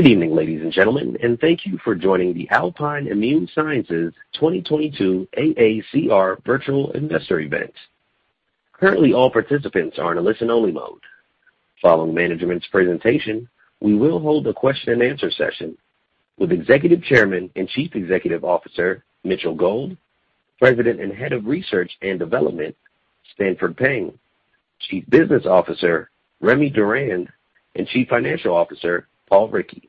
Good evening, ladies and gentlemen, and thank you for joining the Alpine Immune Sciences 2022 AACR Virtual Investor Event. Currently, all participants are in a listen-only mode. Following management's presentation, we will hold a question-and-answer session with Executive Chairman and Chief Executive Officer, Mitchell Gold, President and Head of Research and Development, Stanford Peng, Chief Business Officer, Rémy Durand, and Chief Financial Officer, Paul Rickey.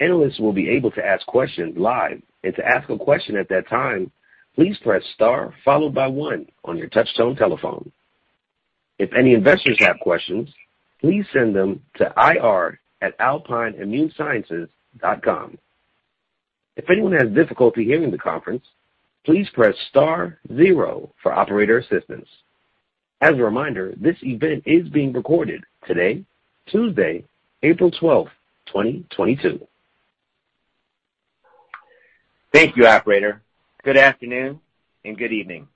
Analysts will be able to ask questions live. To ask a question at that time, please press star followed by one on your touchtone telephone. If any investors have questions, please send them to ir@alpineimmunesciences.com. If anyone has difficulty hearing the conference, please press star zero for operator assistance. As a reminder, this event is being recorded today, Tuesday, April 12, 2022. Thank you, operator. Good afternoon and good evening.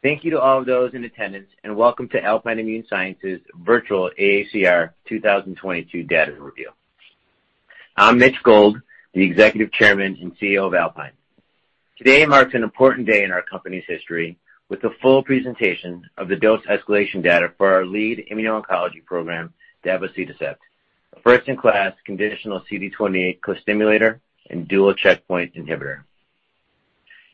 Thank you to all those in attendance, and welcome to Alpine Immune Sciences Virtual AACR 2022 Data Review. I'm Mitch Gold, the Executive Chairman and CEO of Alpine. Today marks an important day in our company's history with the full presentation of the dose escalation data for our lead immuno-oncology program, davoceticept, a first-in-class conditional CD28 costimulator and dual checkpoint inhibitor.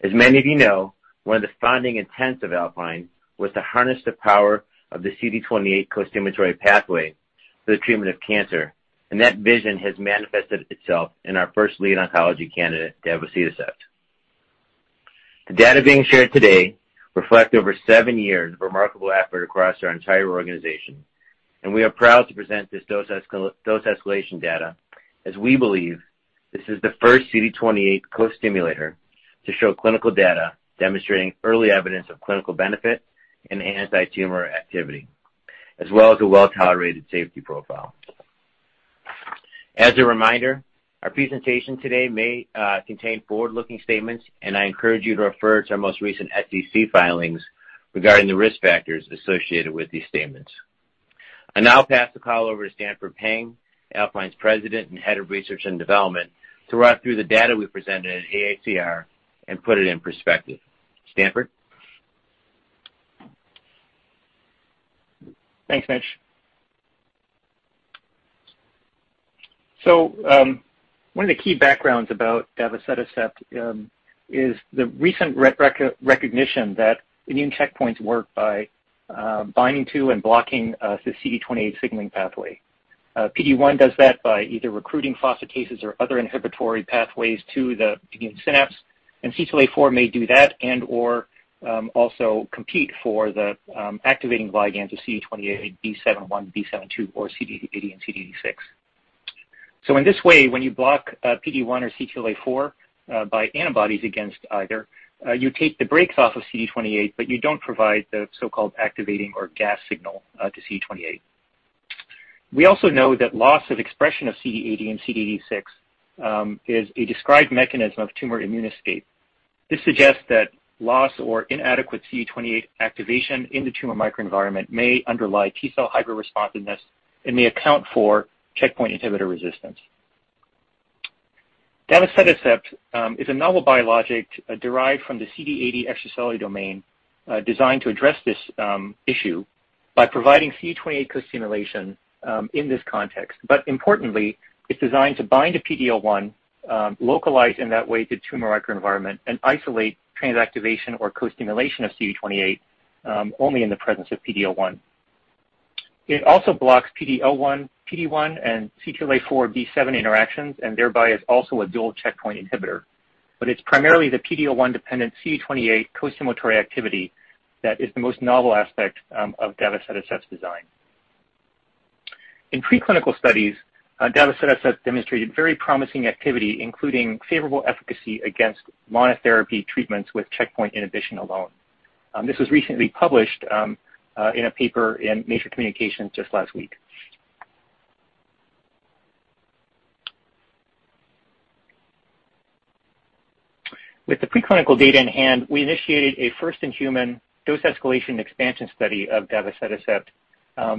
As many of you know, one of the founding intents of Alpine was to harness the power of the CD28 costimulatory pathway for the treatment of cancer, and that vision has manifested itself in our first lead oncology candidate, davoceticept. The data being shared today reflect over seven years of remarkable effort across our entire organization, and we are proud to present this dose escalation data as we believe this is the first CD28 costimulator to show clinical data demonstrating early evidence of clinical benefit and antitumor activity, as well as a well-tolerated safety profile. As a reminder, our presentation today may contain forward-looking statements, and I encourage you to refer to our most recent SEC filings regarding the risk factors associated with these statements. I now pass the call over to Stanford Peng, Alpine's President and Head of Research and Development, to walk through the data we presented at AACR and put it in perspective. Stanford? Thanks, Mitch. One of the key backgrounds about davoceticept is the recent recognition that immune checkpoints work by binding to and blocking the CD28 signaling pathway. PD-1 does that by either recruiting phosphatases or other inhibitory pathways to the immune synapse, and CTLA-4 may do that and/or also compete for the activating ligands of CD28, B7-1, B7-2 or CD80 and CD86. In this way, when you block PD-1 or CTLA-4 by antibodies against either, you take the brakes off of CD28, but you don't provide the so-called activating or gas signal to CD28. We also know that loss of expression of CD80 and CD86 is a described mechanism of tumor immune escape. This suggests that loss or inadequate CD28 activation in the tumor microenvironment may underlie T-cell hypo-responsiveness and may account for checkpoint inhibitor resistance. Davoceticept is a novel biologic derived from the CD80 extracellular domain designed to address this issue by providing CD28 costimulation in this context. Importantly, it's designed to bind to PD-L1, localize to the tumor microenvironment and isolate transactivation or costimulation of CD28 only in the presence of PD-L1. It also blocks PD-L1, PD-1, and CTLA-4 B7 interactions, and thereby is also a dual checkpoint inhibitor. It's primarily the PD-L1-dependent CD28 costimulatory activity that is the most novel aspect of davoceticept's design. In preclinical studies, davoceticept demonstrated very promising activity, including favorable efficacy against monotherapy treatments with checkpoint inhibition alone. This was recently published in a paper in Nature Communications just last week. With the preclinical data in hand, we initiated a first-in-human dose escalation expansion study of davoceticept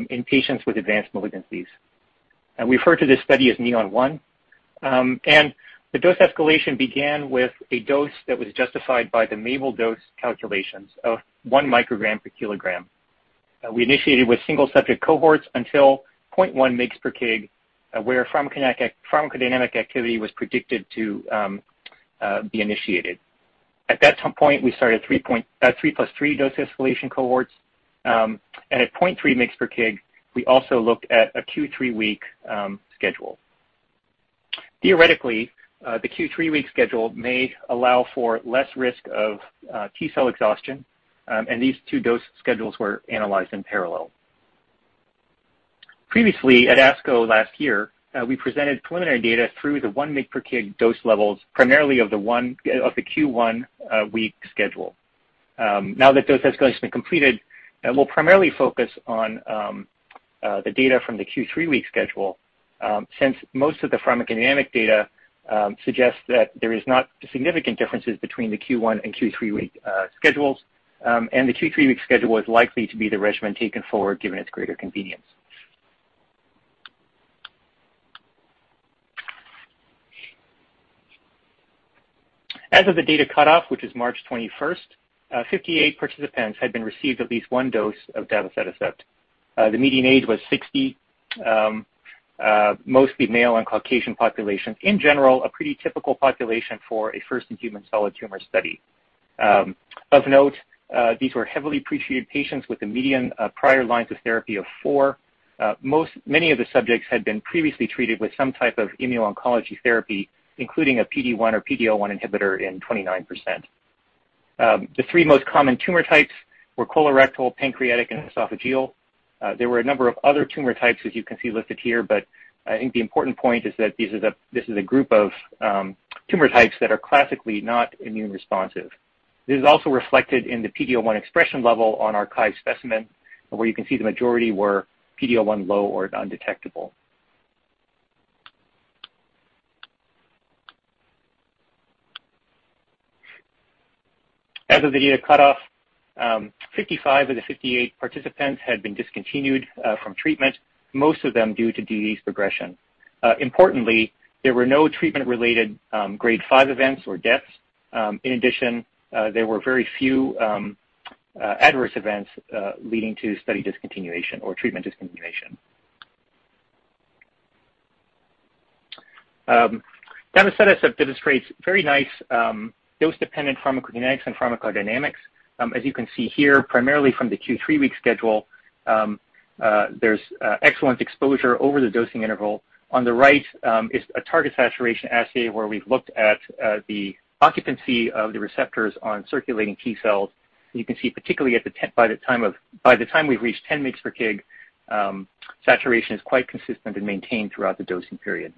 in patients with advanced malignancies. We refer to this study as NEON-1. The dose escalation began with a dose that was justified by the MABEL dose calculations of 1 mg per kg. We initiated with single-subject cohorts until 0.1 mg per kg, where pharmacokinetic, pharmacodynamic activity was predicted to be initiated. At that point, we started three plus three dose escalation cohorts. At 0.3 mg per kg, we also looked at a Q3-week schedule. Theoretically, the Q3-week schedule may allow for less risk of T-cell exhaustion, and these two dose schedules were analyzed in parallel. Previously, at ASCO last year, we presented preliminary data through the 1 mg per kg dose levels, primarily of the Q1 week schedule. Now that dose escalation's been completed, we'll primarily focus on the data from the Q3-week schedule, since most of the pharmacodynamic data suggests that there is no significant differences between the Q1 and Q3-week schedules, and the Q3-week schedule is likely to be the regimen taken forward given its greater convenience. As of the data cutoff, which is March 21st, 58 participants had received at least one dose of davoceticept. The median age was 60, a mostly male and Caucasian population. In general, a pretty typical population for a first-in-human solid tumor study. Of note, these were heavily pretreated patients with a median of four prior lines of therapy. Many of the subjects had been previously treated with some type of immuno-oncology therapy, including a PD-1 or PD-L1 inhibitor in 29%. The three most common tumor types were colorectal, pancreatic and esophageal. There were a number of other tumor types, as you can see listed here, but I think the important point is that this is a group of tumor types that are classically not immune responsive. This is also reflected in the PD-L1 expression level on archived specimen, where you can see the majority were PD-L1 low or undetectable. As of the data cutoff, 55 of the 58 participants had been discontinued from treatment, most of them due to disease progression. Importantly, there were no treatment-related grade five events or deaths. In addition, there were very few adverse events leading to study discontinuation or treatment discontinuation. Davoceticept demonstrates very nice dose-dependent pharmacokinetics and pharmacodynamics. As you can see here, primarily from the Q3-week schedule, there's excellent exposure over the dosing interval. On the right is a target saturation assay where we've looked at the occupancy of the receptors on circulating T cells. You can see particularly by the time we've reached 10 mg per kg, saturation is quite consistent and maintained throughout the dosing period.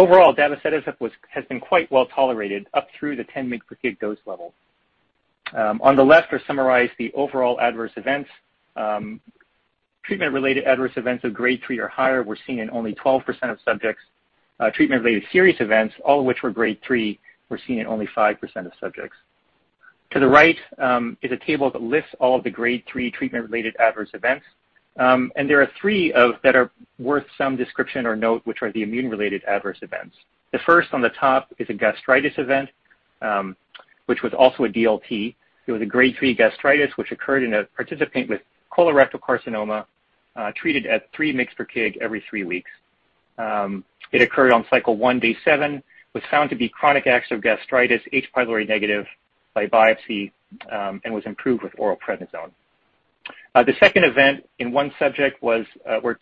Overall, davoceticept has been quite well tolerated up through the 10 mg per kg dose level. On the left are summarized the overall adverse events. Treatment-related adverse events of grade 3 or higher were seen in only 12% of subjects. Treatment-related serious events, all of which were grade 3, were seen in only 5% of subjects. To the right is a table that lists all of the grade 3 treatment-related adverse events. There are three that are worth some description or note, which are the immune-related adverse events. The first on the top is a gastritis event, which was also a DLT. It was a grade 3 gastritis which occurred in a participant with colorectal carcinoma, treated at 3 mg per kg every 3 weeks. It occurred on cycle one, day seven, was found to be chronic active gastritis, H. pylori negative by biopsy, and was improved with oral prednisone. The second event in one subject was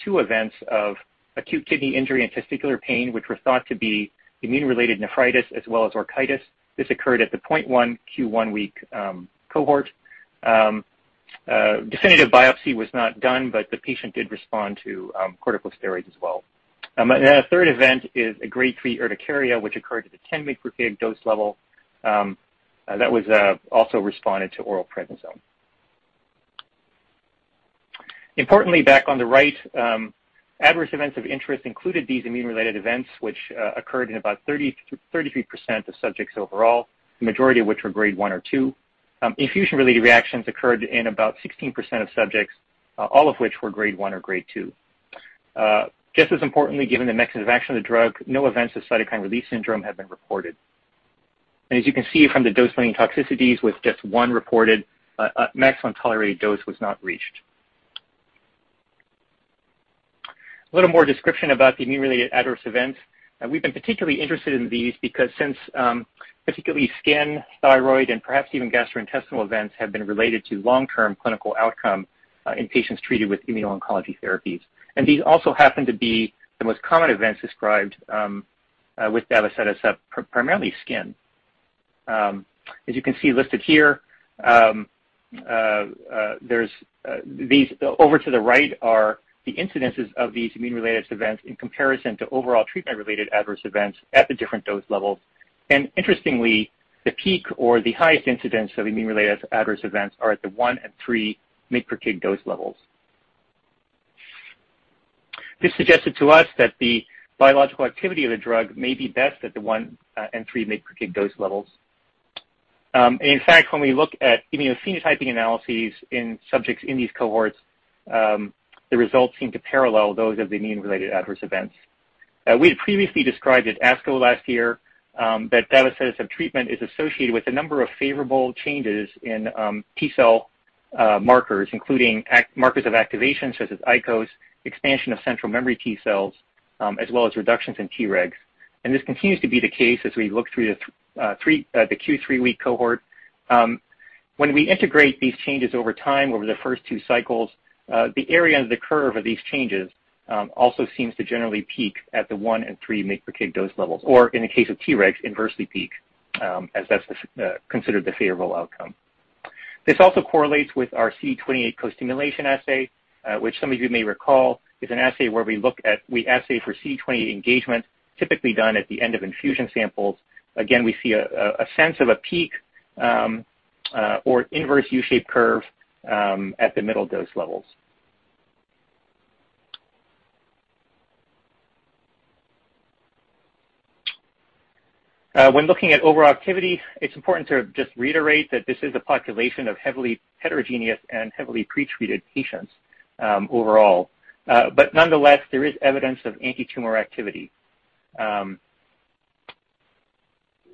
two events of acute kidney injury and testicular pain, which were thought to be immune-related nephritis as well as orchitis. This occurred at the 0.1 Q1 week cohort. Definitive biopsy was not done, but the patient did respond to corticosteroids as well. Third event is a grade 3 urticaria which occurred at the 10 mg per kg dose level, that was also responded to oral prednisone. Importantly, back on the right, adverse events of interest included these immune-related events, which occurred in about 30%-33% of subjects overall, the majority of which were grade 1 or 2. Infusion-related reactions occurred in about 16% of subjects, all of which were grade 1 or 2. Just as importantly, given the mechanism of action of the drug, no events of cytokine release syndrome have been reported. As you can see from the dose-limiting toxicities with just one reported, a maximum tolerated dose was not reached. A little more description about the immune-related adverse events. We've been particularly interested in these because particularly skin, thyroid, and perhaps even gastrointestinal events have been related to long-term clinical outcome in patients treated with immuno-oncology therapies. These also happen to be the most common events described with davoceticept, primarily skin. As you can see listed here, over to the right are the incidences of these immune-related events in comparison to overall treatment-related adverse events at the different dose levels. Interestingly, the peak or the highest incidence of immune-related adverse events are at the 1 and 3 mg per kg dose levels. This suggested to us that the biological activity of the drug may be best at the one and three mg per kg dose levels. In fact, when we look at immunophenotyping analyses in subjects in these cohorts, the results seem to parallel those of the immune-related adverse events. We had previously described at ASCO last year that davoceticept treatment is associated with a number of favorable changes in T cell markers, including markers of activation, such as ICOS, expansion of central memory T cells, as well as reductions in Tregs. This continues to be the case as we look through the every three-week cohort. When we integrate these changes over time over the first two cycles, the area under the curve of these changes also seems to generally peak at the 1 and 3 mg per kg dose levels, or in the case of Tregs, inversely peak, as that's considered the favorable outcome. This also correlates with our CD28 co-stimulation assay, which some of you may recall is an assay where we assay for CD28 engagement, typically done at the end of infusion samples. Again, we see a sense of a peak or inverse U-shaped curve at the middle dose levels. When looking at overall activity, it's important to just reiterate that this is a population of heavily heterogeneous and heavily pre-treated patients, overall. Nonetheless, there is evidence of antitumor activity.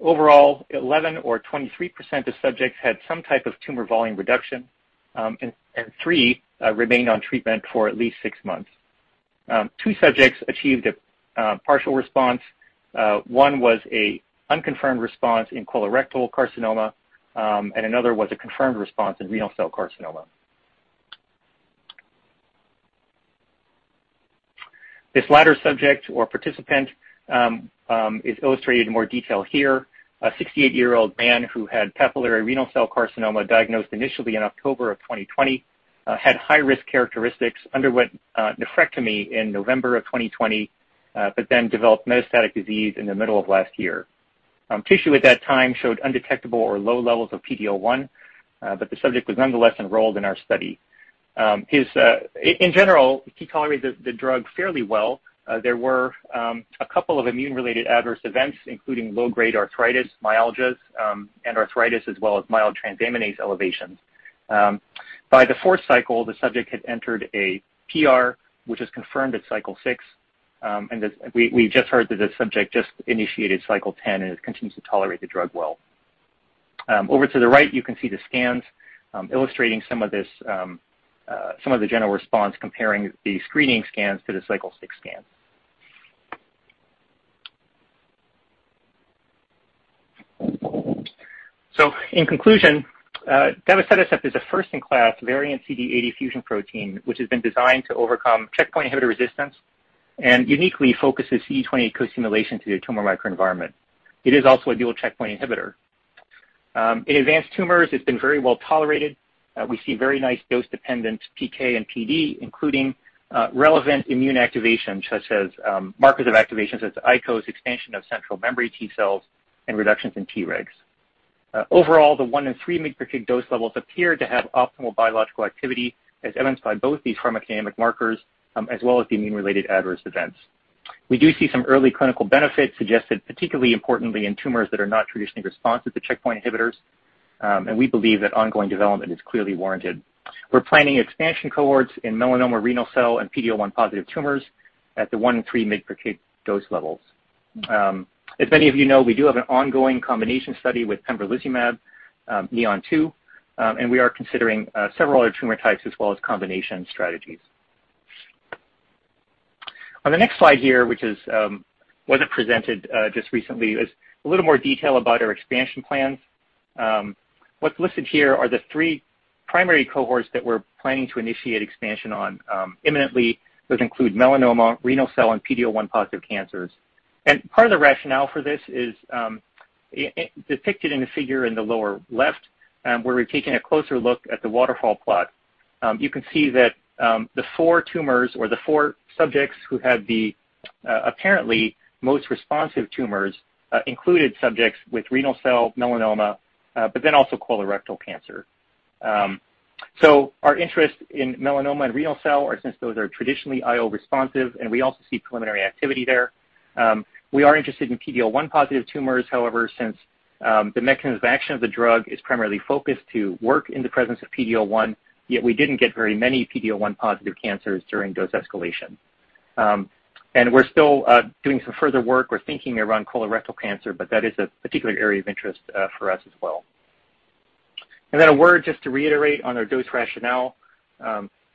Overall, 11 of 23 subjects had some type of tumor volume reduction, and three remained on treatment for at least six months. Two subjects achieved a partial response. One was an unconfirmed response in colorectal carcinoma, and another was a confirmed response in renal cell carcinoma. This latter subject or participant is illustrated in more detail here. A 68-year-old man who had papillary renal cell carcinoma, diagnosed initially in October 2020, had high-risk characteristics, underwent a nephrectomy in November 2020, but then developed metastatic disease in the middle of last year. Tissue at that time showed undetectable or low levels of PD-L1, but the subject was nonetheless enrolled in our study. In general, he tolerated the drug fairly well. There were a couple of immune-related adverse events, including low-grade arthritis, myalgias, and arthritis, as well as mild transaminase elevations. By the fourth cycle, the subject had entered a PR, which is confirmed at cycle 6. We just heard that the subject just initiated cycle 10 and continues to tolerate the drug well. Over to the right, you can see the scans illustrating some of the general response, comparing the screening scans to the cycle 6 scans. In conclusion, davoceticept is a first-in-class variant CD80 fusion protein, which has been designed to overcome checkpoint inhibitor resistance and uniquely focuses CD28 co-stimulation to the tumor microenvironment. It is also a dual checkpoint inhibitor. In advanced tumors, it's been very well tolerated. We see very nice dose-dependent PK and PD, including relevant immune activation, such as markers of activation such as ICOS expansion of central memory T cells and reductions in Tregs. Overall, the 1 and 3 mg per kg dose levels appear to have optimal biological activity, as evidenced by both these pharmacodynamic markers, as well as the immune-related adverse events. We do see some early clinical benefits suggested, particularly importantly in tumors that are not traditionally responsive to checkpoint inhibitors. We believe that ongoing development is clearly warranted. We're planning expansion cohorts in melanoma, renal cell, and PD-L1 positive tumors at the 1 and 3 mg per kg dose levels. As many of you know, we do have an ongoing combination study with pembrolizumab, NEON-2, and we are considering several other tumor types as well as combination strategies. On the next slide here, which wasn't presented just recently, is a little more detail about our expansion plans. What's listed here are the three primary cohorts that we're planning to initiate expansion on, imminently. Those include melanoma, renal cell, and PD-L1 positive cancers. Part of the rationale for this is depicted in the figure in the lower left, where we're taking a closer look at the waterfall plot. You can see that the four tumors or the four subjects who had the apparently most responsive tumors included subjects with renal cell, melanoma, but then also colorectal cancer. Our interest in melanoma and renal cell are since those are traditionally IO responsive, and we also see preliminary activity there. We are interested in PD-L1 positive tumors, however, since the mechanism of action of the drug is primarily focused to work in the presence of PD-L1, yet we didn't get very many PD-L1 positive cancers during dose escalation. We're still doing some further work. We're thinking around colorectal cancer, but that is a particular area of interest for us as well. Then a word just to reiterate on our dose rationale.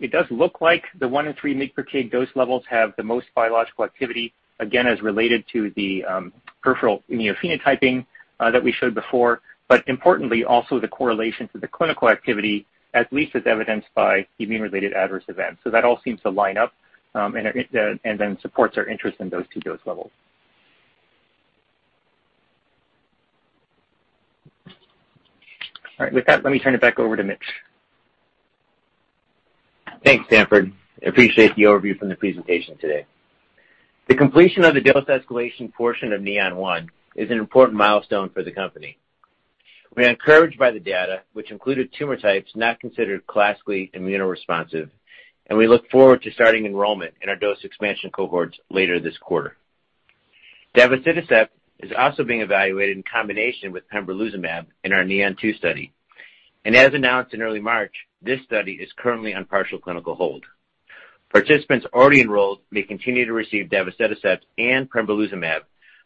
It does look like the 1 and 3 mg per kg dose levels have the most biological activity, again, as related to the peripheral immunophenotyping that we showed before. Importantly also the correlation to the clinical activity, at least as evidenced by immune-related adverse events. That all seems to line up, and then supports our interest in those two dose levels. All right. With that, let me turn it back over to Mitch. Thanks, Stanford. I appreciate the overview from the presentation today. The completion of the dose escalation portion of NEON-1 is an important milestone for the company. We are encouraged by the data which included tumor types not considered classically immunoresponsive, and we look forward to starting enrollment in our dose expansion cohorts later this quarter. Davoceticept is also being evaluated in combination with pembrolizumab in our NEON-2 study. As announced in early March, this study is currently on partial clinical hold. Participants already enrolled may continue to receive davoceticept and pembrolizumab,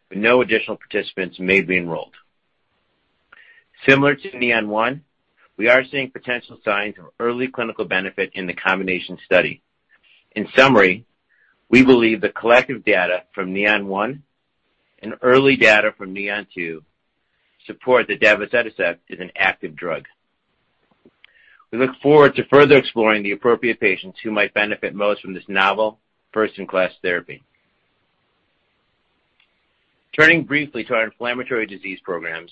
but no additional participants may be enrolled. Similar to NEON-1, we are seeing potential signs of early clinical benefit in the combination study. In summary, we believe the collective data from NEON-1 and early data from NEON-2 support that davoceticept is an active drug. We look forward to further exploring the appropriate patients who might benefit most from this novel first-in-class therapy. Turning briefly to our inflammatory disease programs,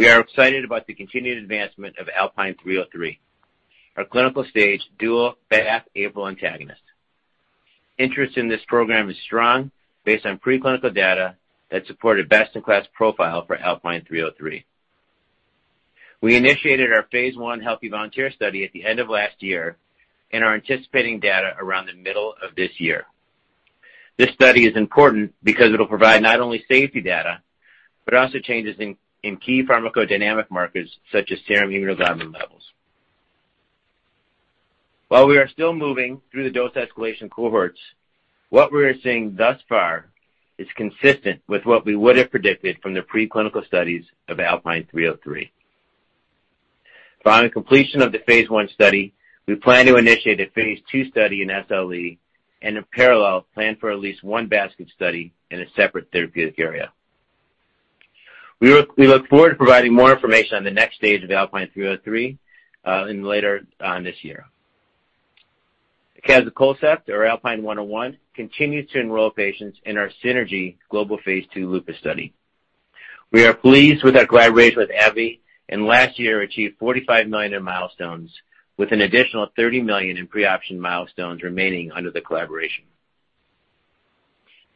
we are excited about the continued advancement of Alpine-303, our clinical-stage dual BAFF/APRIL antagonist. Interest in this program is strong based on preclinical data that support a best-in-class profile for Alpine-303. We initiated our phase I healthy volunteer study at the end of last year and are anticipating data around the middle of this year. This study is important because it'll provide not only safety data, but also changes in key pharmacodynamic markers such as serum immunoglobulin levels. While we are still moving through the dose escalation cohorts, what we are seeing thus far is consistent with what we would have predicted from the preclinical studies of Alpine-303. Following completion of the phase I study, we plan to initiate a phase II study in SLE and a parallel plan for at least one basket study in a separate therapeutic area. We look forward to providing more information on the next stage of ALPN-303 in later this year. Acazicolcept, or ALPN-101, continues to enroll patients in our SYNERGY global phase II lupus study. We are pleased with our collaboration with AbbVie, and last year achieved $45 million in milestones with an additional $30 million in pre-option milestones remaining under the collaboration.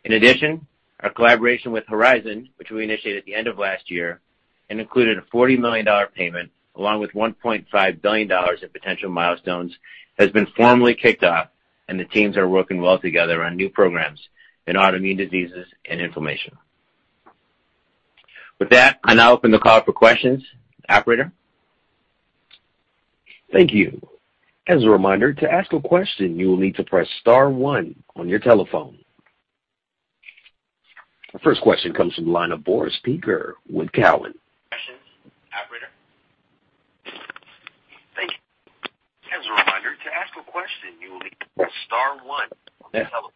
In addition, our collaboration with Horizon, which we initiated at the end of last year and included a $40 million payment along with $1.5 billion in potential milestones, has been formally kicked off and the teams are working well together on new programs in autoimmune diseases and inflammation. With that, I now open the call for questions. Operator? Thank you. As a reminder, to ask a question, you will need to press star one on your telephone. Our first question comes from the line of Boris Peaker with Cowen. Questions. Operator? Thank you. As a reminder, to ask a question, you will need to press star one on your telephone.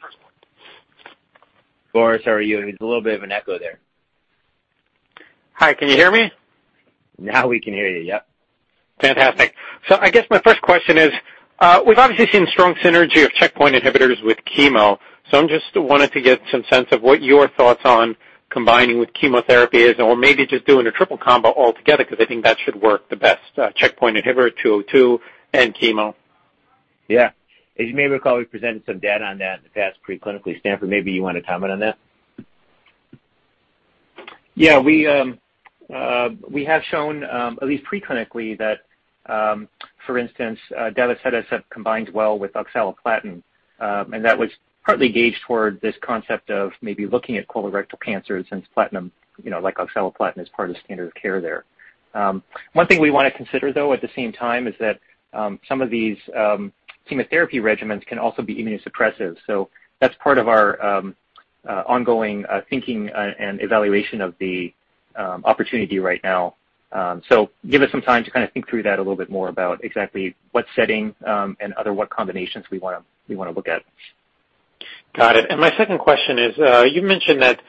First one. Boris, how are you? There's a little bit of an echo there. Hi. Can you hear me? Now we can hear you, yep. Fantastic. I guess my first question is, we've obviously seen strong synergy of checkpoint inhibitors with chemo. I'm just wanting to get some sense of what your thoughts on combining with chemotherapy is or maybe just doing a triple combo altogether because I think that should work the best, checkpoint inhibitor 202 and chemo. Yeah. As you may recall, we presented some data on that in the past preclinically. Stanford, maybe you want to comment on that? Yeah. We have shown at least preclinically that for instance davoceticept combines well with oxaliplatin and that was partly geared toward this concept of maybe looking at colorectal cancer since platinum you know like oxaliplatin is part of standard of care there. One thing we wanna consider though at the same time is that some of these chemotherapy regimens can also be immunosuppressive. That's part of our ongoing thinking and evaluation of the opportunity right now. Give us some time to kinda think through that a little bit more about exactly what setting and what other combinations we wanna look at. Got it. My second question is, you've mentioned that,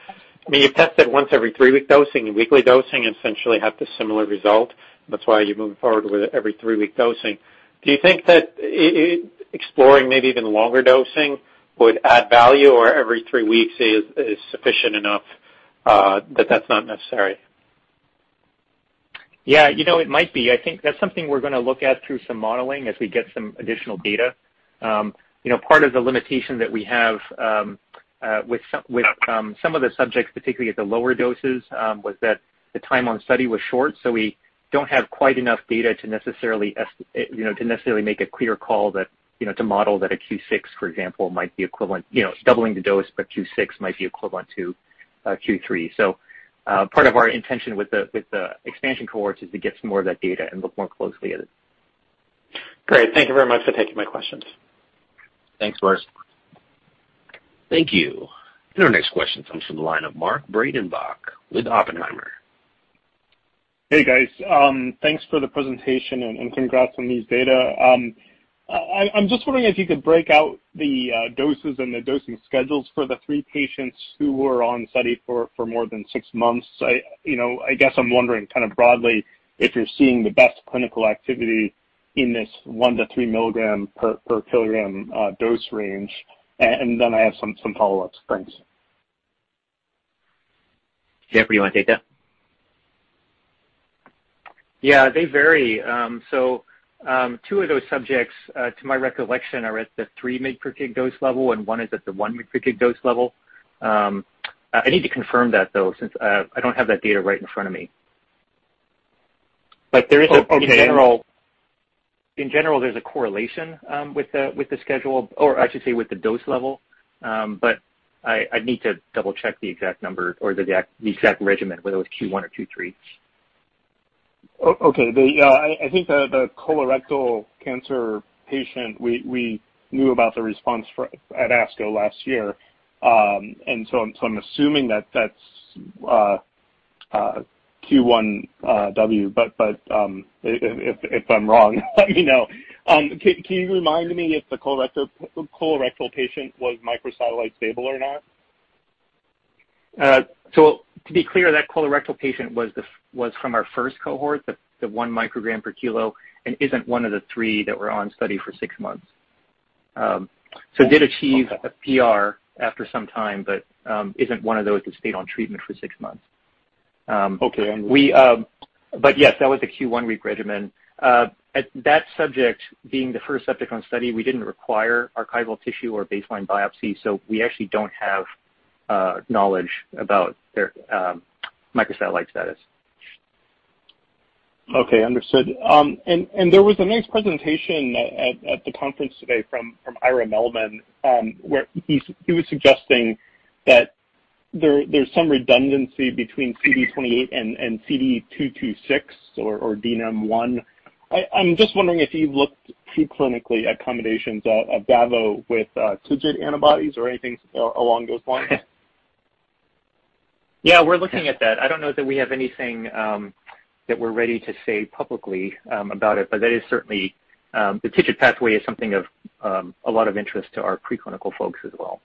I mean, you've tested once every three-week dosing and weekly dosing and essentially have the similar result. That's why you're moving forward with every three-week dosing. Do you think that exploring maybe even longer dosing would add value or every three weeks is sufficient enough, that that's not necessary? Yeah. You know, it might be. I think that's something we're gonna look at through some modeling as we get some additional data. You know, part of the limitation that we have with some of the subjects, particularly at the lower doses, was that the time on study was short, so we don't have quite enough data to necessarily make a clear call that, you know, to model that a Q six, for example, might be equivalent. You know, doubling the dose, but Q six might be equivalent to Q three. So, part of our intention with the expansion cohorts is to get some more of that data and look more closely at it. Great. Thank you very much for taking my questions. Thanks, Boris. Thank you. Our next question comes from the line of Mark Breidenbach with Oppenheimer. Hey, guys. Thanks for the presentation and congrats on these data. I'm just wondering if you could break out the doses and the dosing schedules for the three patients who were on study for more than six months. I guess I'm wondering kinda broadly if you're seeing the best clinical activity in this one to three milligram per kilogram dose range. Then I have some follow-ups. Thanks. Stanford, you wanna take that? They vary. Two of those subjects, to my recollection, are at the 3 mg per kg dose level, and one is at the 1 mg per kg dose level. I need to confirm that though, since I don't have that data right in front of me. There is a Oh, okay. In general, there's a correlation with the schedule, or I should say with the dose level. I'd need to double-check the exact number or the exact regimen, whether it was Q 1 or Q 3. Okay. I think the colorectal cancer patient we knew about the response from ASCO last year. I'm assuming that's Q1W, but if I'm wrong, let me know. Can you remind me if the colorectal patient was microsatellite stable or not? To be clear, that colorectal patient was from our first cohort, the one microgram per kilo, and isn't one of the three that were on study for six months. Did achieve- Okay. A PR after some time, but isn't one of those that stayed on treatment for six months. Okay. Understood. Yes, that was a Q1 week regimen. At that subject, being the first subject on study, we didn't require archival tissue or baseline biopsy, so we actually don't have knowledge about their microsatellite status. Okay. Understood. There was a nice presentation at the conference today from Ira Mellman, where he was suggesting that there's some redundancy between CD28 and CD226 or DNAM-1. I'm just wondering if you've looked preclinically at combinations of davo with TIGIT antibodies or anything along those lines. Yeah, we're looking at that. I don't know that we have anything that we're ready to say publicly about it, but that is certainly the TIGIT pathway is something of a lot of interest to our preclinical folks as well.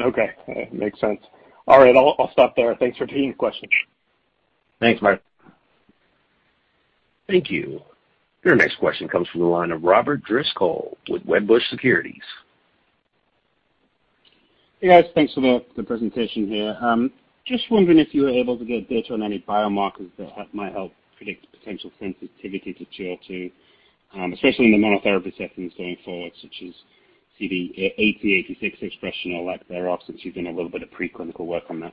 Okay. Makes sense. All right. I'll stop there. Thanks for taking the question. Thanks, Mark. Thank you. Your next question comes from the line of Robert Driscoll with Wedbush Securities. Hey, guys. Thanks for the presentation here. Just wondering if you were able to get data on any biomarkers that might help predict potential sensitivity to ALPN-202, especially in the monotherapy settings going forward, such as CD80/86 expression or lack thereof, since you've done a little bit of preclinical work on that.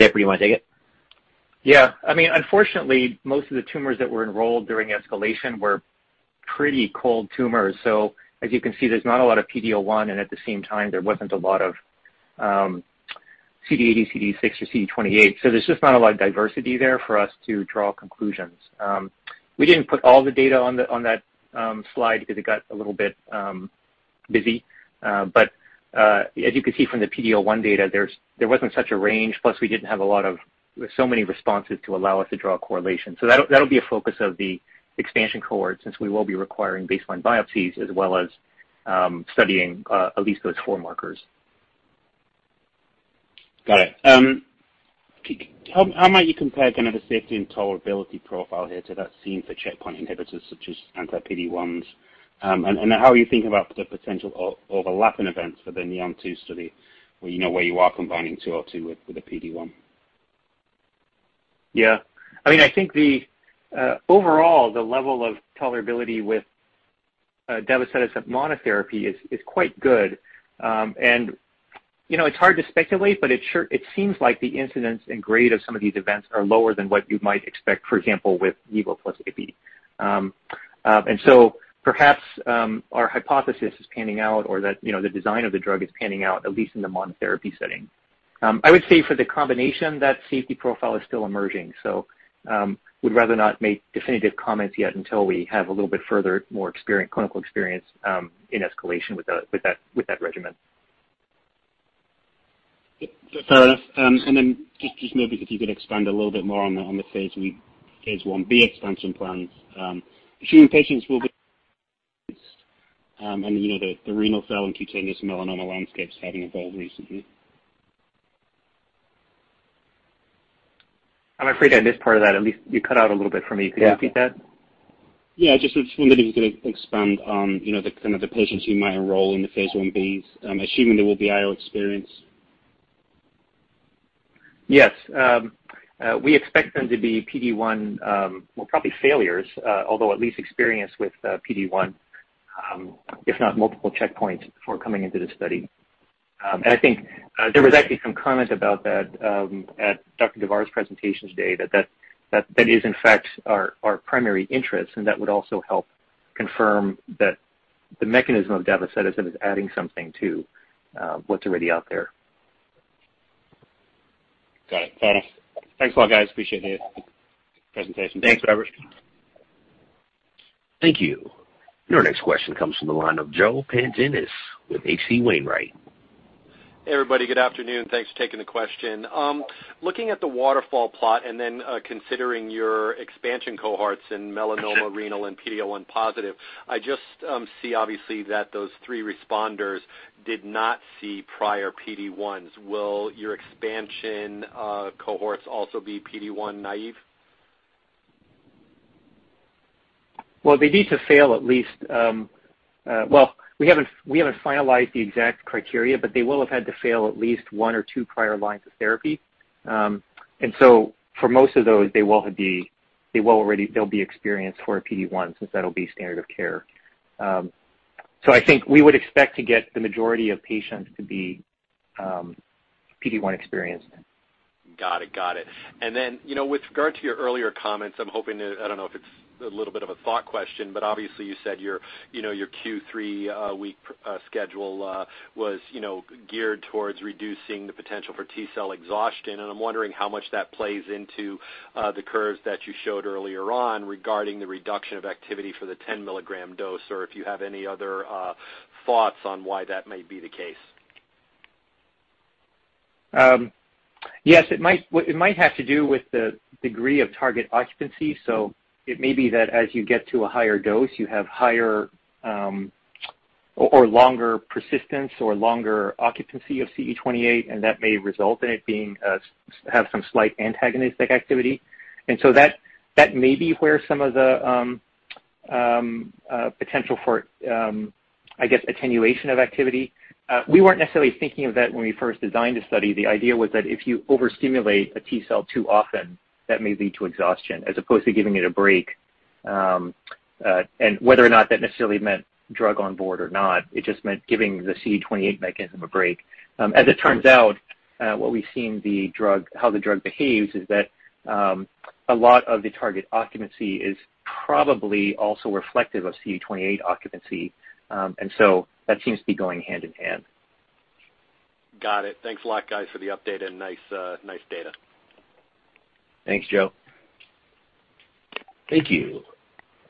Jeffrey, you wanna take it? Yeah. I mean, unfortunately, most of the tumors that were enrolled during escalation were pretty cold tumors. As you can see, there's not a lot of PD-L1, and at the same time, there wasn't a lot of CD80, CD86 or CD28. There's just not a lot of diversity there for us to draw conclusions. We didn't put all the data on that slide because it got a little bit busy. As you can see from the PD-L1 data, there wasn't such a range, plus we didn't have a lot of so many responses to allow us to draw a correlation. That'll be a focus of the expansion cohort since we will be requiring baseline biopsies as well as studying at least those four markers. Got it. How might you compare kind of the safety and tolerability profile here to that seen for checkpoint inhibitors such as anti-PD-1 ones, and how are you thinking about the potential overlapping events for the NEON-2 study where you are combining 202 with a PD-1? Yeah. I mean, I think the overall level of tolerability with davoceticept monotherapy is quite good. You know, it's hard to speculate, but it seems like the incidence and grade of some of these events are lower than what you might expect, for example, with nivo plus ipi. Perhaps our hypothesis is panning out or that, you know, the design of the drug is panning out, at least in the monotherapy setting. I would say for the combination, that safety profile is still emerging. Would rather not make definitive comments yet until we have a little bit further, more clinical experience in escalation with that regimen. Fair enough. Just maybe if you could expand a little bit more on the phase I-B expansion plans, assuming patients will be, and you know, the renal cell and cutaneous melanoma landscapes have evolved recently. I'm afraid I missed part of that. At least you cut out a little bit for me. Yeah. Could you repeat that? Yeah. I was just wondering if you could expand on, you know, the kind of the patients you might enroll in the phase I-Bs, assuming they will be IO experienced? Yes. We expect them to be PD-1, well, probably failures, although at least experienced with PD-1, if not multiple checkpoints before coming into this study. I think there was actually some comment about that at Dr. DeVore's presentation today that that is in fact our primary interest, and that would also help confirm that the mechanism of davoceticept is adding something to what's already out there. Got it. Thanks a lot, guys. Appreciate the presentation. Thanks, Robert. Thank you. Your next question comes from the line of Joseph Pantginis with H.C. Wainwright. Hey, everybody. Good afternoon. Thanks for taking the question. Looking at the waterfall plot and then, considering your expansion cohorts in melanoma, renal, and PD-L1 positive, I just see obviously that those three responders did not see prior PD-1s. Will your expansion cohorts also be PD-1 naive? Well, they need to fail at least. We haven't finalized the exact criteria, but they will have had to fail at least one or two prior lines of therapy. For most of those, they will already be experienced with a PD-1 since that'll be standard of care. I think we would expect to get the majority of patients to be PD-1 experienced. Got it. With regard to your earlier comments, I'm hoping that I don't know if it's a little bit of a thought question, but obviously you said your, you know, your Q3 week schedule was, you know, geared towards reducing the potential for T-cell exhaustion, and I'm wondering how much that plays into the curves that you showed earlier on regarding the reduction of activity for the 10-mg dose or if you have any other thoughts on why that may be the case. Yes, it might have to do with the degree of target occupancy. It may be that as you get to a higher dose, you have higher or longer persistence or longer occupancy of CD28, and that may result in it having some slight antagonistic activity. That may be where some of the potential for, I guess, attenuation of activity. We weren't necessarily thinking of that when we first designed the study. The idea was that if you overstimulate a T-cell too often, that may lead to exhaustion, as opposed to giving it a break. Whether or not that necessarily meant drug on board or not, it just meant giving the CD28 mechanism a break. As it turns out, what we've seen how the drug behaves is that, a lot of the target occupancy is probably also reflective of CD28 occupancy. That seems to be going hand in hand. Got it. Thanks a lot, guys, for the update and nice data. Thanks, Joe. Thank you.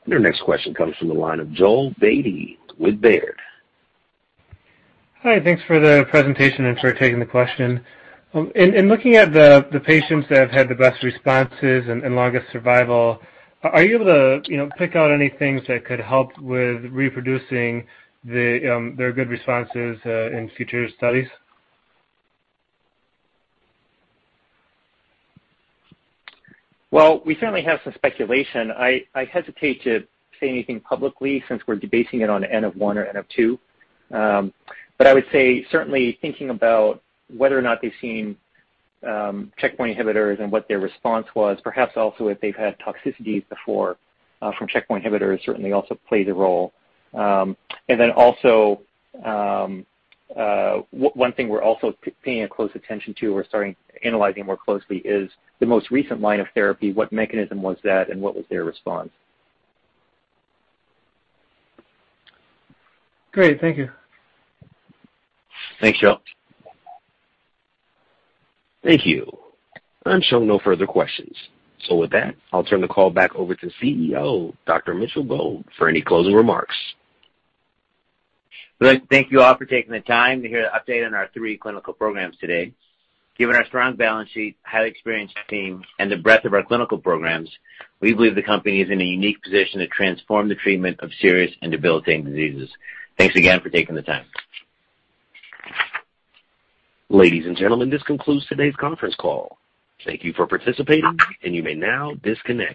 Your next question comes from the line of Joel Beatty with Baird. Hi. Thanks for the presentation and for taking the question. In looking at the patients that have had the best responses and longest survival, are you able to, you know, pick out any things that could help with reproducing their good responses in future studies? Well, we certainly have some speculation. I hesitate to say anything publicly since we're basing it on N of one or N of two. I would say certainly thinking about whether or not they've seen checkpoint inhibitors and what their response was, perhaps also if they've had toxicities before from checkpoint inhibitors certainly also played a role. One thing we're also paying close attention to, we're starting analyzing more closely is the most recent line of therapy, what mechanism was that and what was their response. Great. Thank you. Thanks, Joel. Thank you. I'm showing no further questions. With that, I'll turn the call back over to CEO, Dr. Mitchell Gold, for any closing remarks. Well, thank you all for taking the time to hear the update on our three clinical programs today. Given our strong balance sheet, highly experienced team, and the breadth of our clinical programs, we believe the company is in a unique position to transform the treatment of serious and debilitating diseases. Thanks again for taking the time. Ladies and gentlemen, this concludes today's conference call. Thank you for participating, and you may now disconnect.